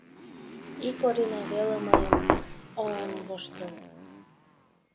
Ик Орина веле мыйым он воштыл.